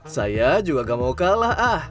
saya juga gak mau kalah ah